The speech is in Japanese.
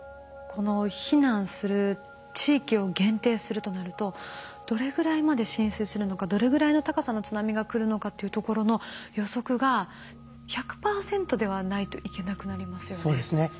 この避難する地域を限定するとなるとどれぐらいまで浸水するのかどれぐらいの高さの津波が来るのかっていうところの予測が１００％ではないといけなくなりますよね。